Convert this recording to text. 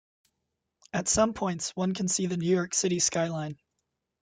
At some points one can see the New York City skyline.